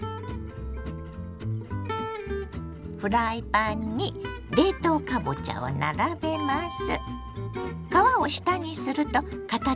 フライパンに冷凍かぼちゃを並べます。